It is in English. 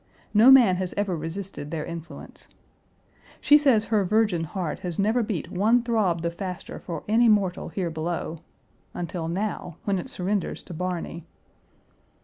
No man has ever resisted their influence. She says her virgin heart has never beat one throb the faster for any mortal here below until now, when it surrenders to Barny.